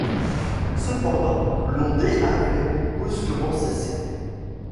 Cependant, l'ondée avait brusquement cessé.